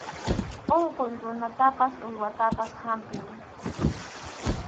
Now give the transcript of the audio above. Unquq runatapas uywatapas hampiy.